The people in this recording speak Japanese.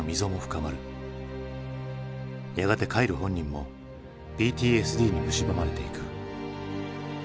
やがてカイル本人もＰＴＳＤにむしばまれていく。